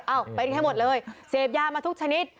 เป็นให้หมดเลยเสพยามาทุกชนิด